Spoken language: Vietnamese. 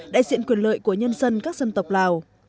đại diện quyền lợi của nhân dân các dân tộc lào